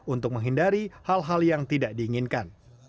untuk menghindari hal hal yang tidak diinginkan